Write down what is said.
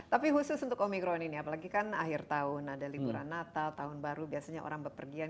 tapi khusus untuk omikron ini apalagi kan akhir tahun ada liburan natal tahun baru biasanya orang berpergian